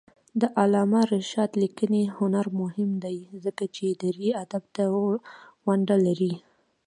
د علامه رشاد لیکنی هنر مهم دی ځکه چې دري ادب ته ونډه لري.